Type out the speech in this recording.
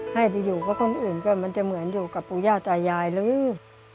ให้ไปอยู่เพราะคนอื่นจะเหมือนอยู่กับปุญาตายายเลย